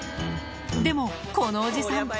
でも、このおじさん。